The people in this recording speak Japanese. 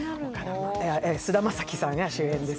菅田将暉さんが主演です。